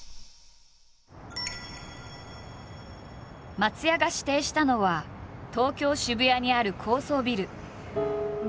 松也が指定したのは東京渋谷にある高層ビル。